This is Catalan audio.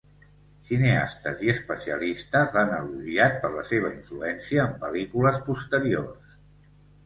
Cineastes i especialistes l'han elogiat per la seva influència en pel·lícules posteriors.